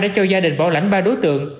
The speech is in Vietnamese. đã cho gia đình bỏ lãnh ba đối tượng